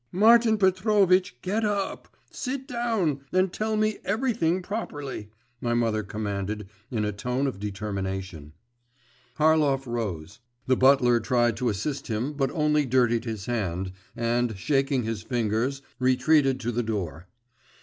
'Martin Petrovitch! get up! Sit down! and tell me everything properly,' my mother commanded in a tone of determination. Harlov rose.… The butler tried to assist him but only dirtied his hand, and, shaking his fingers, retreated to the door.